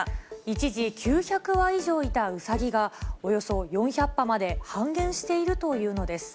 一時、９００羽以上いたウサギが、およそ４００羽まで半減しているというのです。